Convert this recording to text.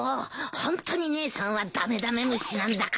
ホントに姉さんはダメダメ虫なんだから。